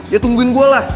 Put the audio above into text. ya tungguin gue lah